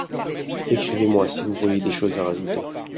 Écrivez-moi si vous voyez des choses à rajouter.